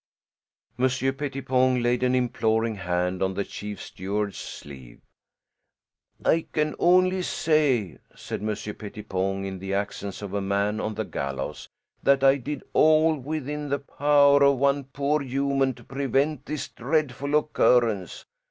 Monsieur Pettipon laid an imploring hand on the chief steward's sleeve. "I can only say," said Monsieur Pettipon in the accents of a man on the gallows, "that I did all within the power of one poor human to prevent this dreadful occurrence.